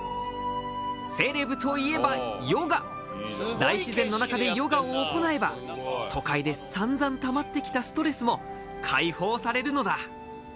セレブといえばヨガ大自然の中でヨガを行えば都会でさんざんたまってきたストレスも解放されるのだ